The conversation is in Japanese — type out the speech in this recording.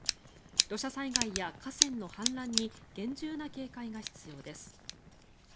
土砂災害や河川の氾濫に厳重な警戒が必要です。